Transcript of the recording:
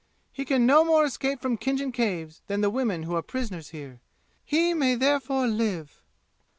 He can no more escape from Khinjan Caves than the women who are prisoners here. He may therefore live!"